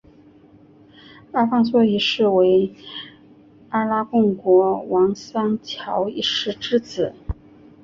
阿方索一世为阿拉贡国王桑乔一世之子。